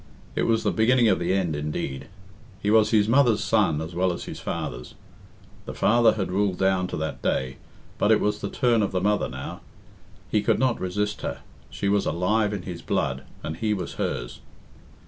It was the beginning of the end indeed. He was his mother's son as well as his father's. The father had ruled down to that day, but it was the turn of the mother now. He could not resist her. She was alive in his blood, and he was hers.